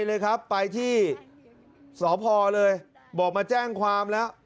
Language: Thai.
เลยครับไปที่สพเลยบอกมาแจ้งความแล้ว